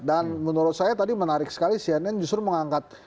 dan menurut saya tadi menarik sekali cnn justru mengangkat